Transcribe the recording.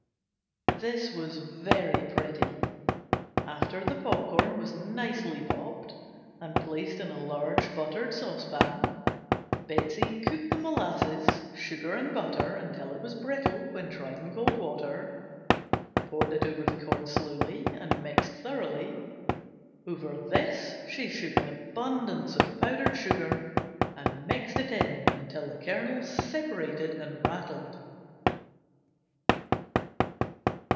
This was very pretty. After the popcorn was nicely popped and placed in a large buttered saucepan Betsey cooked the molasses, sugar and butter until it was brittle when tried in cold water, poured it over the corn slowly and mixed thoroughly. Over this she shook an abundance of powdered sugar and mixed it in until the kernels separated and rattled.